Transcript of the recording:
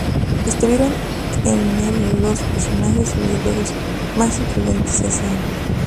Estuvieron en el los personajes de videojuegos más influyentes de ese año.